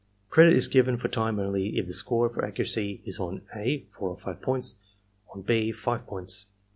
Credit is given for time only if the score for accuracy is on (a) 4 or 5 points, on (6) 5 points.